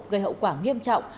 gây hậu quả nghiêm trọng